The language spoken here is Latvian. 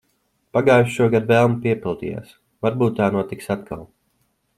Pagājušogad vēlme piepildījās. Varbūt tā notiks atkal.